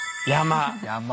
「山」。